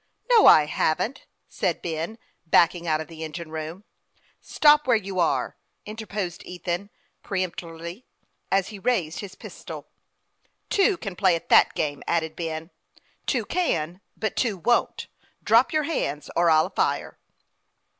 " No, I haven't," said Ben, backing out of the engine room. THE YOUNG PILOT OF LAKK CHAMPLAIN. 299 " Stop Avhere you are," interposed Ethan, peremp torily, as he raised his pistol. " Two can play at that game," added Ben. " Two can ; but two won't. Drop your hands, or I'll fire